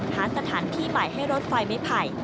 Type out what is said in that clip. หาสถานที่ใหม่ให้รถไฟไม่ไผ่